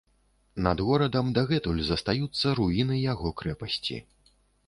Над горадам дагэтуль застаюцца руіны яго крэпасці.